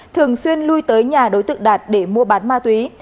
thường xuyên lui tới nhà đối tượng đạt để mua bán ma túy